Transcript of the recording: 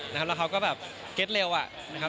แล้วเขาก็แบบเก็ตเร็วอะ